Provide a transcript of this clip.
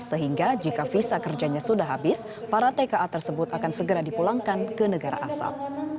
sehingga jika visa kerjanya sudah habis para tka tersebut akan segera dipulangkan ke negara asal